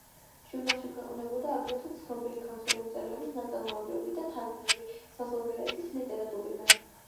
ჟურნალში ქვეყნდებოდა აგრეთვე ცნობილი ქართველი მწერლების ნაწარმოებები და თარგმანები საზღვარგარეთის ლიტერატურიდან.